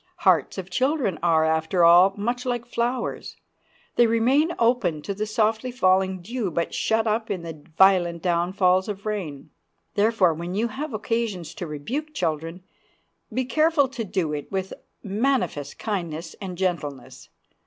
Hearts of children are, after all, much like flowers; they remain open to the softly falling dew, but shut up in the violent downfalls of rain. Therefore, when you have occasion to rebuke children, be careful to do it with manifest kindness and gentleness.